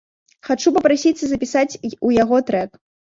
Хачу папрасіцца запісаць у яго трэк.